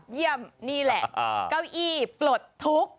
เยี่ยมนี่แหละเก้าอี้ปลดทุกข์